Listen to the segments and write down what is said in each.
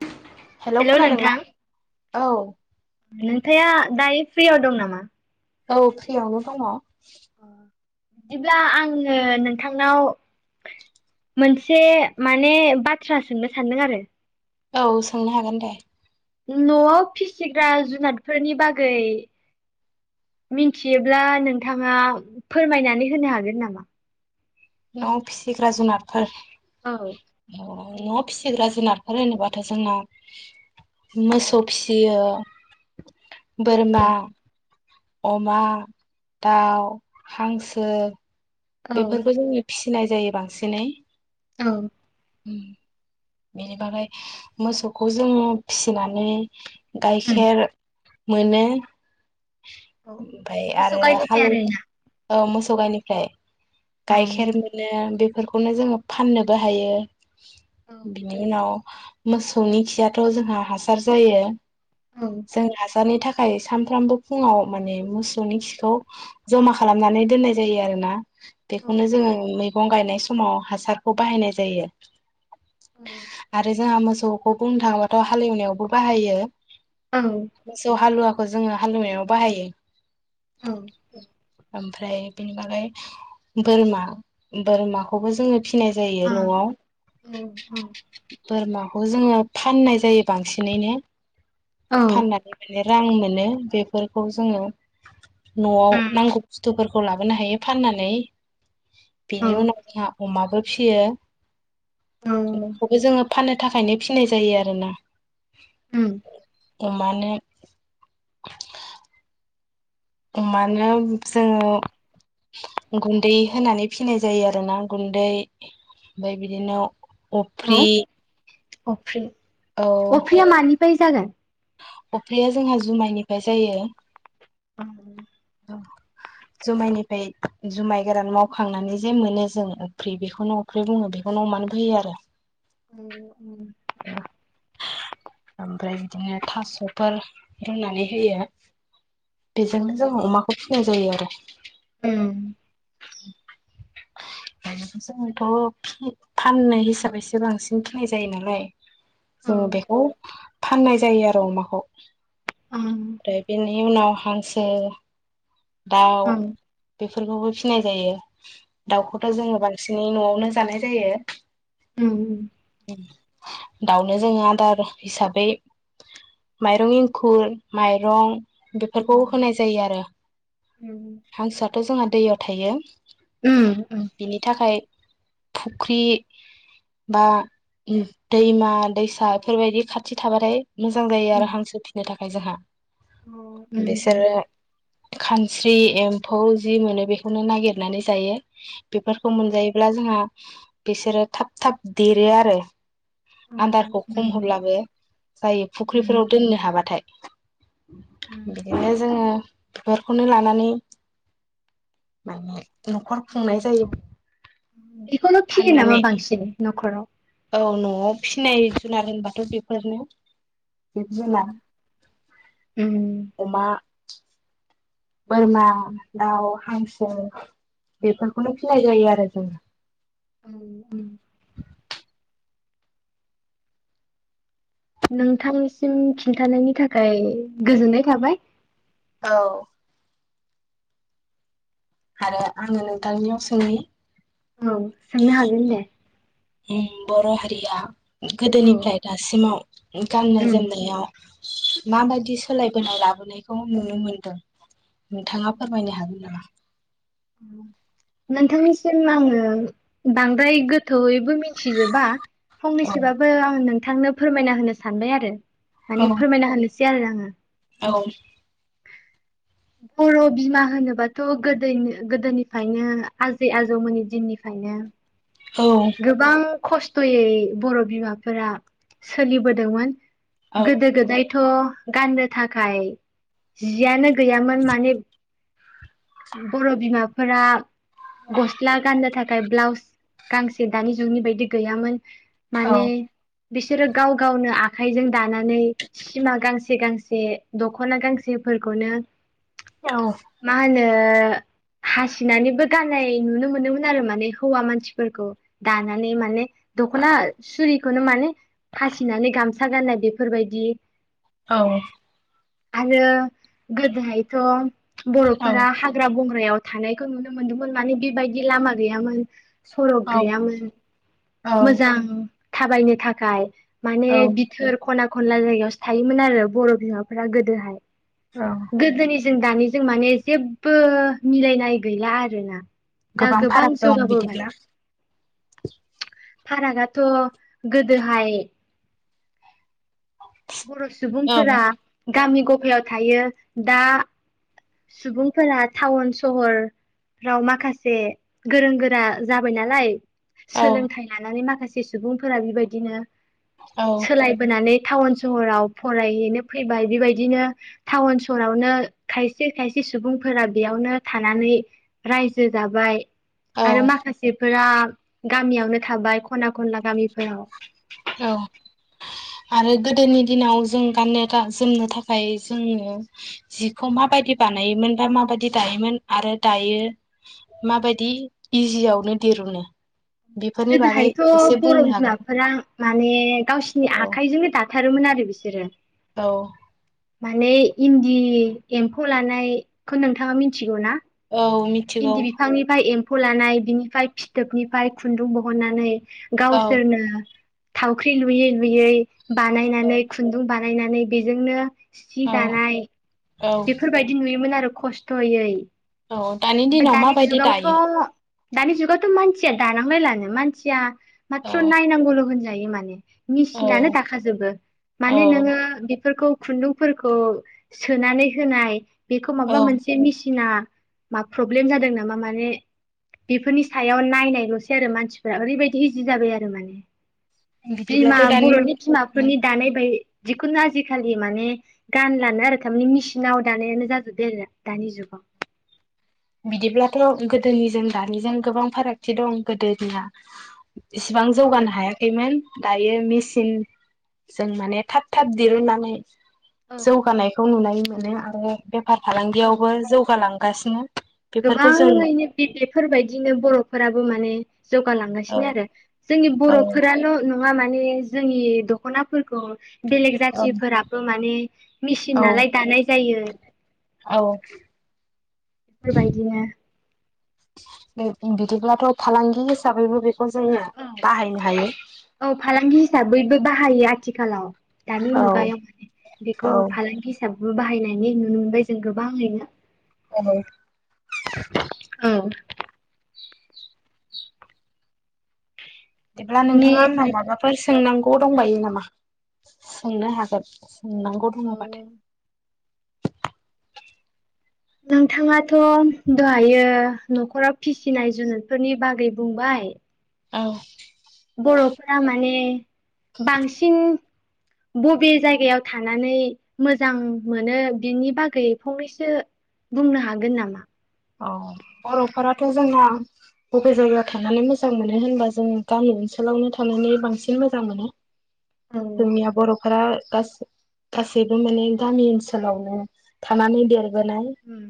[inaudible] हेल' खोनादों ना औ नोंथां दायो फ्रियाव दं नामा औ फ्रियावनो दङ बिदिब्ला आङो नोंथांनाव मोनसे माने बाथ्रा सोंनो सानदों आरो औ सोंनो हागोन दे न'आव फिसिग्रा जुनादफोरनि बागै मिथियोब्ला नोंथाङा फोरमायनानै होनो हागोन नामा न'आव फिसिग्रा जुनारफोर औ न'आव फिसिग्रा जुनारफोर होनोबाथ' जोंना मोसौ औ फिसियो बोरमा अमा दाउ हांसो औ बेफोरखौ [unintelligible] फिसि सिनाय जायो बांसिनै औ ओम बेनि बागै मोसौखौ जों फिसिनानै उम गाइखेर मोनो औ ओमफाय मोसौ आरो गायनिफ्राय हाल आरोना औ मोसौ गायनिफ्राय औ गायखेर मोनो [unintelligible] बेफोरखौनो जोङो फाननोबो हायो औ बिनि उनाव मोसौनि खियाथ' जोंहा हासार जायो औ जों नाजानाय थाखाय [unintelligible] सानफ्रामबो फुङाव माने मोसौनि खिखौ जमा खालामनानै दोननाय जायो आरोना औ बेखौनो जोङो [unintelligible] मैगं गायनाय समाव हासारखौ बाहायनाय जायो औ आरो [unintelligible] [unintelligible] बुंनो थाङोबाथ' हालेवनायावबो बाहायो औ मोसौ [unintelligible] जोङो हालएवनायाव बाहायो औ [unintelligible] ओमफ्राय बेनि बागै बोरमा-बोरमाखौबो जोङो फिनाय जायो न'आव उम औ [inaudible] बोरमाखौ जोङो फाननाय जायो बांसिनैनो फाननानै मोनो रां मोनो बेफोरखौ जोङो न'आव नांगौ बुस्थुफोर- खौ लाबोनो हायो फाननानै औ बिनि उनाव अमाबो फियो औ अमाखौबो जोङो फानो थाखायनो फिनाय जायो आरोना उम अमानोे अमानो जोङो गुन्दै होनानै फिनाय जायो आरोना गुन्दै ओमफ्राय बिदिनो मा अफ्रि अफ्रि औ फै जागोन अफ्रिया जोंहा जुमायनिफ्राय जायो [inaudible] जुमायनिफ्राय जुमाय गोरान मावखांनानै जे मोनो जों अफ्रि बेखौनो अफ्रि बुङो बेखौनो अमानो फैयो आरो उम उम ओमफ्राय बिदिनो थास'फोर रुनानै होयो बेजोंनो जों अमाखौ नाय जायो आरो उम जोंथ' फाननाय हिसाबैसो बांसिन फिनाय जायो नालाय जों बेखौ फाननाय जायो आरो अमाखौ उम नि उनाव हांसो दाउ बे- फोरखौबो फिनाय जायो, दाउखौथ' जोङो बांसिनै न'आवनो जानाय जायो। ओम ओम दाउनो जोङो आदार हिसाबै माइरं एंखुर, माइरं, बेफोरखौ होनाय जायो आरो हांसोया थ' जोंहा दैयाव थायो। बिनि थाखाय, फुख्रि बा दैमा दैसा बेफोरबायदि खाथि थाबाथाय, मोजां जायो आरो हांसो फिनो [unintelligible] [unintelligible] जोंहा अ ओम ओम बिसोरो खानस्रि एम्फौ जि मोनो बेखौनो नागिरनानै जायो। बेफोरखौ मोनजायोब्ला जोंहा बिसोरो थाब थाब देरो आरो आदारखौ खम होब्लाबो जायो फुख्रिफोराव दोननो हाबाथाय, बिदिनो जोङो बेफोरखौनो लानानै माने, न'खर खुंनाय जायो बेखौनो फियो नामा फाननानै बांसिनै न'खराव, औ न'आव फिनाय जुनार होनबाथ' बेफोरनो, बिदिजोना अमा बोरमा, दाउ, हांसो बेफोरखौनो फिनाय जायो आरो जों ओम ओम नोंथांसिम खिन्थानायनि थाखाय गोजोननाय थाबाय। औ आरो आङो नोंथांनियाव सोंनि औ सोंनो हागोन दे, [unintelligible] बर' हारिया, गोदोनिफ्राय दासिमाव गाननाय जोमनायाव माबायदि सोलाय बोनाय लाबोनायखौ नुनो मोनदों नोंथाङा फोरमायनो हागोन नामा? नोंथांनिसिम आङो बांद्राय गोथ बयबो मिथिजोबा औ फंनैसोबाबो आं नोंथांनो फोरमायना होनो सानबाय आरो औ माने फोरमायना होनोसै आरो आङो औ बर' बिमा होनोबाथ' गोद -गोदोनिफ्रायनो आजै आजौमोननि दिननिफ्रायनो गोबां खस्थ'यै बर' बिमाफोरा सोलिबोदोंमोन। औ गोदो -गोदाय थ' गाननो थाखाय जियानो गैयामोन माने बर' बिमा [unintelligible] गस्ला गाननो थाखाय ब्लाउस गांसे दानि जुगनि बायदि बिदि गैयामोन औ माने बिसोरो गाव- गावनो आखाइजों दानानै सिमा गांसे गांसे दखना गांसेफोरखौनो [unintelligible] औ हासिनानैबो गाननाय नुनो मोनोमोन आरो माने हौवा मानसिफोरखौ दानानै माने दखना सुरि [unintelligible] माने हासिनानै गामसा गाननाय बेफोरबायदि औ आरो गोदोहायथ' हाग्रा बंग्रा [unintelligible] थानायखौ नुनो मोन्दोंमोन माने बेबायदि लामा गैयामोन। सरक औ गैयामोन। मोजां थाबायनो थाखाय माने औ बिथोर खना खनला जायगायावसो थायोमोन आरो बर' बिमाफोरा गोदोहाय गोदोनि जों दानि जों माने जेबो मिलायनाय गैला आरो ना। गोबां फाराग दं बिदिब्ला फारागाथ' गोदोहाय बर' औ सुबुंफोरा गामि [unintelligible] [unintelligible] थायो दा सुबुंफोरा टाउन सहरफ्राव माखासे गोरों गोरा जाबाय नालाय। औ सोलोंथाइ लानानै माखासे सुबुंफोरा बेबायदिनो औ सोलायबोनानै टाउन सहराव फरायहैनो फैबाय बेबायदिनो टाउन सहरावनो थाय खायसे खायसे सुबुंफोरा बेयावनो थानानै रायजो जाबाय औ आरो माखासेफोरा गामियावनो थाबाय खना खनला गामिफोराव औ आरो गोदोनि दिनाव जों गाननो था जोमनो थाखाय जोङो जिखौ माबायदि बानायोमोन बा माबायदि दायोमोन आरो दायो माबायदि इजियावनो दिरुनो बेफोरनि बागै गोदोहायथ एसे बर बुंनो हागोन बिमाफोरा माने गावसिनि औ आखाइजोंनो दा थारोमोन आरो बिसोरो । औ। माने इन्दि एम्फौ लानाय खौ नोंथाङा मिथिगौ ना? औ मिथिगौ इन्दि बिफांनिफ्राय एम फौ लानाय बिनिफ्राय फिथोबनिफ्राय खुन्दुं बहननानै औ गावसोरनो थावख्रि लुयै लुयै औ बानायनानै खुन्दुं बानायनानै बेजोंनो सि दानाय औ बेफोरबायदि नुयोमोन आरो । खस्थयै औ दानि ओमफ्राय दिनाव माबायदि दायो? जुगावथ' दानि जुगावथ मानसिया दानांलायलानो मानसिया माथ्र' औ नायनांगौल होनजा जायो माने मेसिनानो औ दाखाजोबो औ माने नोङो बेफोरखौ खुन्दुंफोरखौ सोनानै होनाय बेखौ औ माबा मोनसे मिसि सिना मा प्रब्लेम जादों नामा माने बेफोरनि सायाव नायनायलसै आरो मानसिफोरा ओरैबायदि इजि जाबाय आरो माने बिमा बिदिब्लाथ' दानि बरनि बिमाफोरनि दानाय बाय जिखुनु आजिखालि माने गानलानो आरो थामानि मेसिनाव दानायानो जाजोबबाय आरो दानि जुगाव। बिदिब्लाथ गोदोनिजों दानिजों गोबां फारागथि दं गोदोनिया इसिबां जौगानो हायाखैमोन दायो मेसिन जों माने थाब थाब दिरुननानै। औ-औ-औ जौगानायखौ नुनाय मोन। [unintelligible] बेफार फालांगियावबो जौगालां गासिनो। गोबाङैनो बे बेफोरबायदिनो बर'फोराबो माने औ जौगालांगासिनो आरो जोंनि औ बर'फोराल' नङा माने जोंनि दख'नाफोरखौ बेलेग औ जाथिफोराबो माने मिसिन औ नालाय दानाय जायो। औ एफोर बायदिनो। बिदिब्लाथ' फालांगि हिसाबै बैफ खौ जोङो औ बाहायनो हायो। औ फालांगि हिसाबैबो बाहायो आथिखालाव। दानि औ मुगायाव माने बेखौ औ फालांगि हिसाबै बाहायनाय नुनो मोनबाय जों गोबाङैनो। औ औ बिदिब्ला नोंथाङा आंनाव बिनिफ्राय माबाफोर सोंनांगौ। दंबायो नामा सोंनो हागोन सोंनांगौ औ दङबाथाय। नोंथाङाथ' दहायो न'खराव फिसिनाय जुनुरफोरनि बागै बुंबाय। औ बर'फोरा माने बांसिन बबे जायगायाव थानानै मोजां मोनो बिनि बागै फंनैसो बुंनो हागोन नामा। औ बर'फोराथ' जोंना बबे जायगायाव थानानै मोजां मोनो होनबा जों गामि ओनसोलावनो थानानै बांसिन मोजां मोनो। औ जोंनिया बर' फोरा गासै गासैबो माने गामि ओनसोलावनो थानानै देरो बोनाय उम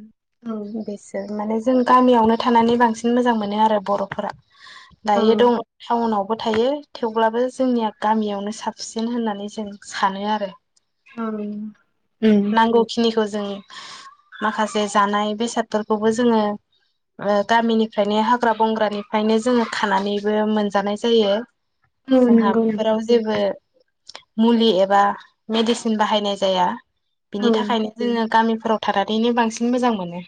औ बेस माने जों गामियावनो थानानै बांसिन मोजां मोनो आरो बर'फोरा। औ दायो दं टाउनाव थायो थेवब्लाबो जोंनिया गामियावनो साबसिन होननानै जों सानो आरो औ उम नांगौ खिनिखौ जों माखासे जानाय बेसादफोरखौबो जोङो ओ गामिनिफ्रायनो हाग्रा बंग्रानिफ्रायनो जोङो खानानैबो मोनजानाय जायो। औ जोंहा नंगौ नोंथां बेफोराव जेबो मुलि एबा मेडिसिन बाहायनाय जाया। औ बिनि थाखायनो [unintelligible] जोङो गामि फोराव थारादैनो बांसिन मोजां मोनो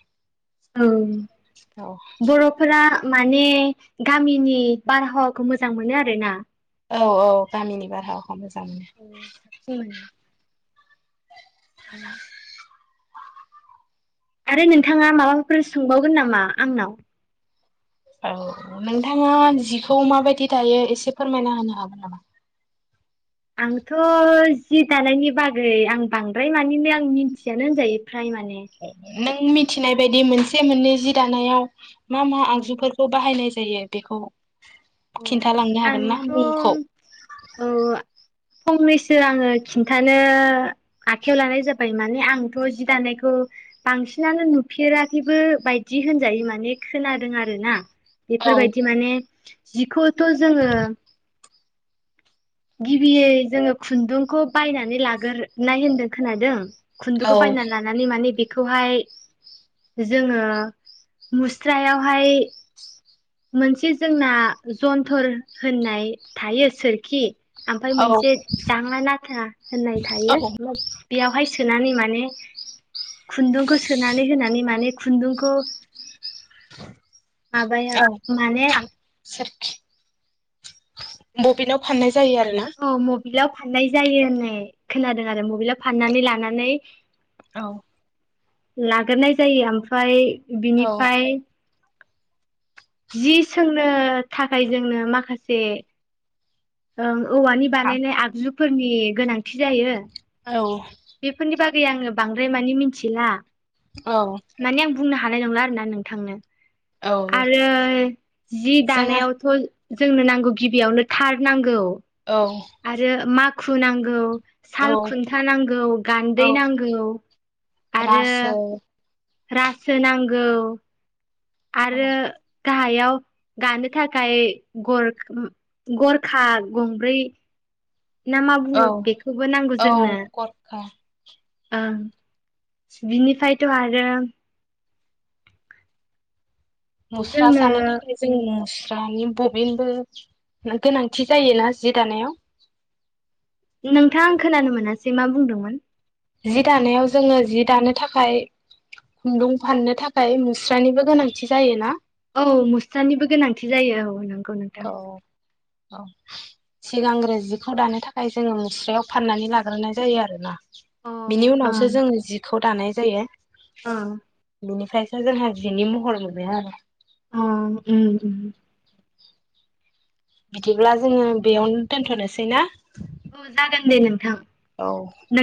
औ ओं बर'फोरा माने गामिनि बारहावाखौ मोजां मोनो आरो ना औ औ गामिनि बारहावा गाब औ जांनो साबसिन [unintelligible] ओ आरो नोंथाङा माबाफोर सोंबावगोन नामा? आंनाव औ नोंथाङा जिखौ माबायदि दायो एसे फोरमायना होनो हागोन नामा? आंथ' जि दानायनि बागै आं बांद्राय मानि नो आं मिन्थियानो होनजायो फ्राय माने नों मिथिनाय बायदि मोनसे मोननै जि दानायाव मा मा औ आगजुफोरखौ बाहायनाय जायो बेखौ [unintelligible] औ खिन्थालांनो हागोन ना आंथ' मुंखौ? औ फंनैसो आङो खिन्थानो आखाइयाव लानाय जाबाय माने आंथ' जि दानायखौ बांसिनानो नुफेराखैबो बायदि होनजायो माने खोनादों आरोना बेफोरबायदि माने जिखौ थ' जोङो गिबियै जोङो खुन्दुंखौ बायनानै लाग्रोनाय होन्दों खोनादों औ खुन्दुखौ बायना लानानै माने बे खौ हाय जोङो मुस्रायावहाय मोनसे जोंना जन्थर होननाय थायो सोरखि ओमफाय औ मोनसे दाङा नाथा होननाय थायो औ बेयावहाय सोनानै माने खुन्दुंखौ सोनानै होनानै माने खुन्दुंखौ माबाया औ माने थां सोरखि बबिनाव फाननाय जायो आरोना औ मबिलाव फाननाय जायो होननाय खोनादों आरो मबलयाव फाननानै लानानै औ लाग्रोनाय जायो ओमफफ्राय औ बिनिफ्राय जि सोंनो थाखाय जोंनो माखासे ओं औवानि बानायनाय आगजु फोरनि गोनांथि जायो। औ। बेफोरनि बागै आङो बांद्राय मानि मिथिला औ। माने आं बुंनो हानाय नंला आरोना नोंथांनो आरो जि जोङो दानायावथ' जोंनो नांगौ गिबियावनो थात नांगौ। औ आरो मा खु नांगौ, औ सालखुन्था नांगौ, गान्दै औ नांगौ आरो रासो रासो नांगौ, औ आरो गाहायाव गानो थाखाय गर गरखा गंब्रै ना मा बुङो बेखौबो नांगौ औ जोंनो गरखा ओ बिनिफायथ' आरो मुस्रा जोंनो सानो थाखाय जोंनो दानि बबिनबो गोनांथि जायोना जि दानायाव? नोंथां आं खोनानो मोना सै मा बुंदोंमोन? जि दानायाव जोङो जि दानो थाखाय खुन्दुं फाननो थाखाय मुस्रानिबो गोनांथि जायोना? औ मुस्थानिबो गोनांथि जायो औ नों औ। औ सिगांग्रो जिखौ दानो थाखाय जोङो मुस्रायाव फाननानै लाग्रोनाय जायो आरो ना। अ बिनि ओं उनावसो जोङो जिखौ दानाय जायो। ओं। बिनिफ्रायसो जोंहा जिनि महर मोनो आरो। अह उम ओ ओ। बिदिब्ला जोङो बेयावनो दोनथ'नोसै ना? औ जागोन दे नोंथां। औ।